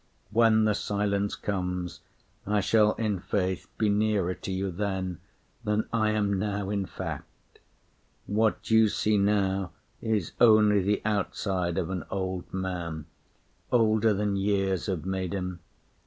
When the silence comes, I shall in faith be nearer to you then Than I am now in fact. What you see now Is only the outside of an old man, Older than years have made him.